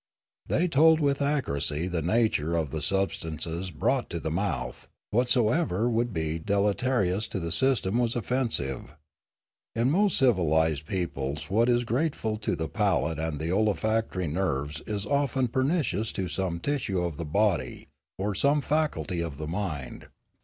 They told with accuracy the nature of the substances brought to the mouth; whatsoever would be deleterious to the system was offensive. In most civilised peoples what is grateful to the palate and the olfactory nerves is often pernicious to some tissue of the body or some faculty of the mind.